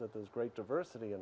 juga penting untuk diperhatikan